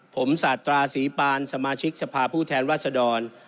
ผมสาธาศรีปานสมาชิกสภาพผู้แทนรัศดร